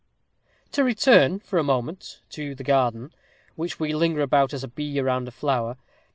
To return, for a moment, to the garden, which we linger about as a bee around a flower.